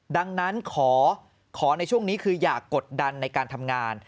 ดังนั้นขอในช่วงนี้คืออย่ากดดันในการทำงาน